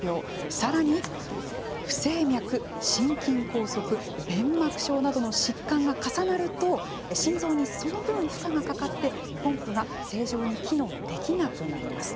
さらに不整脈、心筋梗塞弁膜症などの疾患が重なると心臓にその分、負荷がかかってポンプが正常に機能できなくなります。